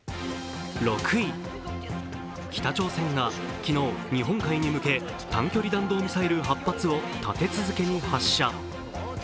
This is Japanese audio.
北朝鮮が、昨日、日本海に向け短距離弾道ミサイル８発を立て続けに発射。